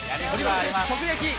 直撃。